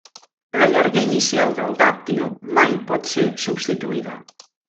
La llarga inicial del dàctil mai pot ser substituïda.